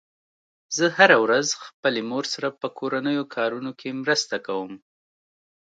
زه هره ورځ خپلې مور سره په کورنیو کارونو کې مرسته کوم